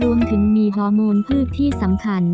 รวมถึงมีฮอร์โมนพืชที่สำคัญ